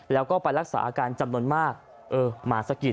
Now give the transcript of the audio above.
แล้วก็ไปรักษาอาการจำนวนมากเออหมาสะกิด